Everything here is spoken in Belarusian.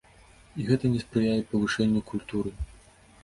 І гэта не спрыяе павышэнню культуры.